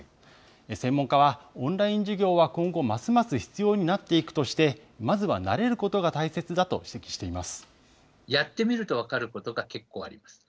専門家は、オンライン授業は今後、ますます必要になっていくとして、まずは慣れることが大切だと指摘しています。